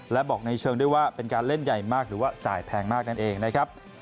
และบอกในเชิงด้วยว่าเป็นการเล่นใหญ่มากหรือว่าจ่ายแพงมากนั่นเองนะครับ